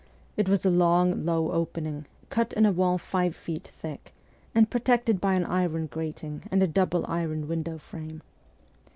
It was a long, low opening, cut in a wall five feet thick, and protected by an iron grating and a double iron window frame.